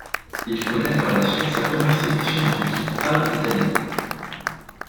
Il connait par la suite sa première sélection en équipe A d'Italie.